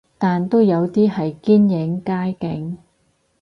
但都有啲係堅影街景